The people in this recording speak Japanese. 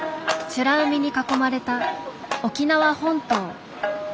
ちゅら海に囲まれた沖縄本島。